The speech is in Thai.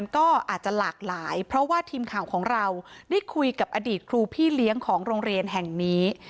ก็อาจจะหลากหลายเพราะว่าทีมข่าวของเราได้คุยกับอดีตครูพี่เลี้ยงของโรงเรียนแห่งนี้